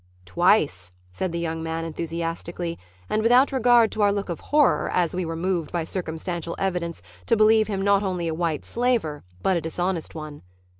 "Twice," said the young man enthusiastically and without regard to our look of horror as we were moved by circumstantial evidence to believe him not only a white slaver but a dishonest one.